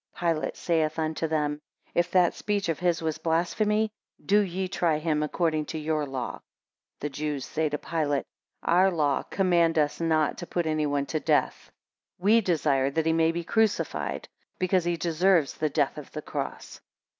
15 Pilate saith unto them, If that speech of his was blasphemy, do ye try him according to your law. 16 The Jews say to Pilate, Our law command us not to put any one to death. We desire that he may be crucified, because he deserves the death of the cross.